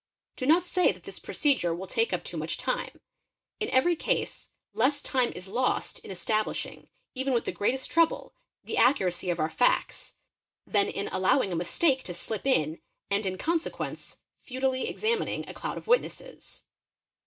Do not say that this procedure will take up too much time; in every case less time is lost in establishing, even with the greatest trouble, the accuracy of our facts, than in allowing a mistake | to slip in and in consequence futilely examining a cloud of witnesses.